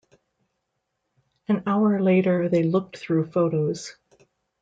An hour later they looked through photos.